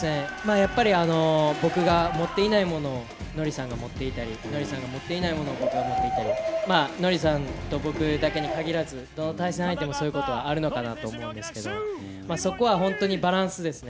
やっぱり僕が持っていないものをＮＯＲＩさんが持っていたり、ＮＯＲＩさんが持っていないものを、僕が持っていたり、ＮＯＲＩさんと僕だけに限らず、どの対戦相手もそういうことはあるのかなと思うんですけれども、そこは本当にバランスですね。